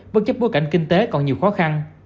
bất chấp bối cảnh kinh tế còn nhiều khó khăn